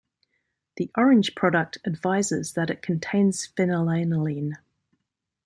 The orange product advises that it contains Phenylalanine.